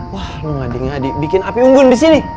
wah lu ngading ngading bikin api unggun disini